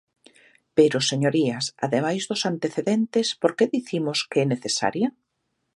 Pero, señorías, ademais dos antecedentes, ¿por que dicimos que é necesaria?